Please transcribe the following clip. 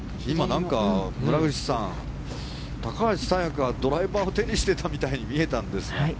今、村口さん高橋彩華、ドライバーを手にしていたみたいに見えたんですが。